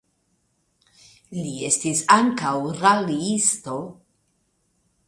Li estis ankaŭ raliisto.